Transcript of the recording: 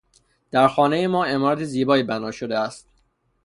در کارخانهٔ ما عمارت زیبائی بناء شده است.